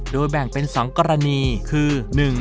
โดยแบ่งเป็น๒กรณีคือ